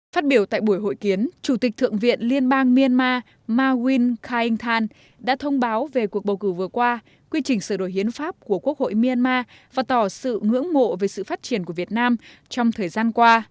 phát biểu tại buổi hội kiến chủ tịch thượng viện liên bang myanmar mawin khayng than đã thông báo về cuộc bầu cử vừa qua quy trình sửa đổi hiến pháp của quốc hội myanmar và tỏ sự ngưỡng mộ về sự phát triển của việt nam trong thời gian qua